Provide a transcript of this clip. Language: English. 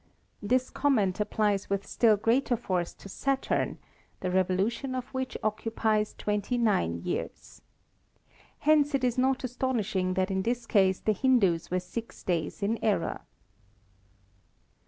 This comment applies with still greater force to Saturn, the revolution of which occupies 29 years. Hence it is not astonishing that in this case the Hindus were six days in error.